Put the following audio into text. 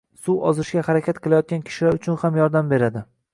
Suv ozishga harakat qilayotgan kishilar uchun ham yordam beradi.